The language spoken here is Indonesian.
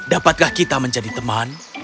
dapatkah kita menjadi teman